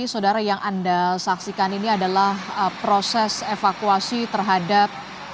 saudara yang anda saksikan ini adalah proses evakuasi terhadap